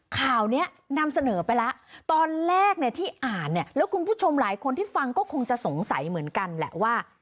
ข่าวนี้นำเสนอไปแล้วตอนแรกเนี่ยที่อ่านเนี่ยแล้วคุณผู้ชมหลายคนที่ฟังก็คงจะสงสัยเหมือนกันแหละว่า